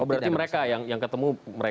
oh berarti mereka yang ketemu mereka